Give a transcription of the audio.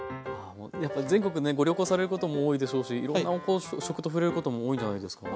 やっぱ全国ねご旅行されることも多いでしょうしいろんなこう食と触れることも多いんじゃないですか？